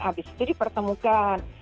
habis itu dipertemukan